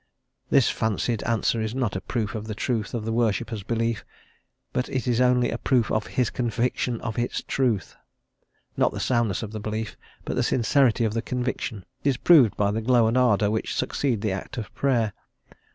This fancied answer is not a proof of the truth of the worshipper's belief, but is only a proof of his conviction of its truth; not the soundness of the belief, but the sincerity of the conviction, is proved by the glow and ardour which succeed the act of Prayer.